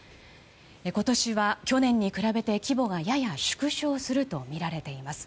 今年は去年に比べて規模がやや縮小するとみられています。